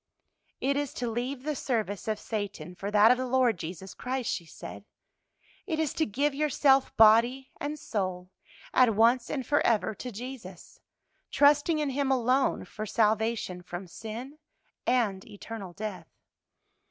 "It is to leave the service of Satan for that of the Lord Jesus Christ," she said. "It is to give yourself body and soul, at once and forever, to Jesus, trusting in Him alone for salvation from sin and eternal death.